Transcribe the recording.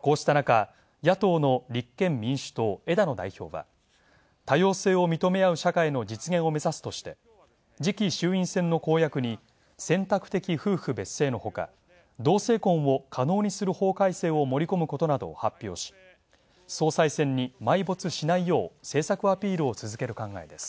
こうした中、野党の立憲民主党・枝野代表は、「多様性を認め合う社会の実現を目指す」として、次期衆院選の公約に選択的夫婦別姓のほか、同性婚を可能にする法改正を盛り込むことなどを発表し、総裁選に埋没しないよう政策アピールを続ける考えです。